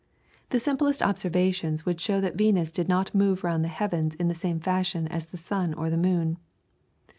The simplest observations would show that Venus did not move round the heavens in the same fashion as the sun or the moon.